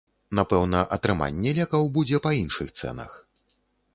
Напэўна, атрыманне лекаў будзе па іншых цэнах.